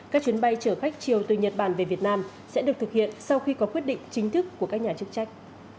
các chuyến bay chở khách chiều từ nhật bản về việt nam sẽ được thực hiện sau khi có quyết định chính thức của các nhà chức trách